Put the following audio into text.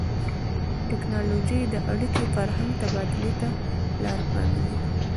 د ټیکنالوژۍ دا اړیکې فرهنګي تبادلې ته لار پرانیزي.